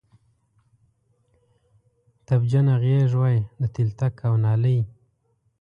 تبجنه غیږ وی د تلتک او نالۍ